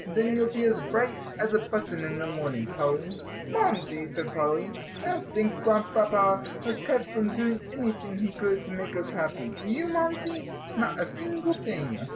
Then you'll be as bright as a button in the morning, Polly." "Mamsie," said Polly, "I don't think Grandpapa has kept from doing anything he could to make us happy, do you, Mamsie? not a single thing."